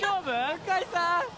向井さん。